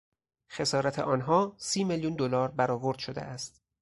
خسارت آنها سی میلیون دلار برآورد شده است.